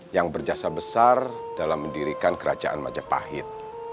yang berjasa besar dalam mendirikan kerajaan majapahit